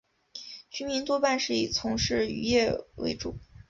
居民多半是以从事渔业为主。